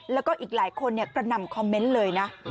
แล้วก็อีกหลายคนกระหน่ำคอมเมนต์เลยนะ